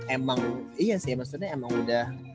emang iya sih maksudnya emang udah